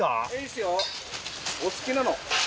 お好きなの。